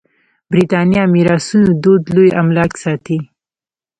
برېتانيه میراثونو دود لوی املاک ساتي.